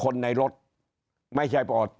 ตัวเลขการแพร่กระจายในต่างจังหวัดมีอัตราที่สูงขึ้น